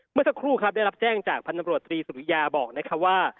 เมื่อสักครู่ครับได้รับแจ้งจากพันธบรวจตรีสุริยาบอกนะครับว่า